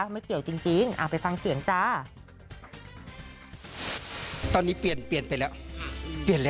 ไม่เกี่ยวจริงไปฟังเสียงจ้า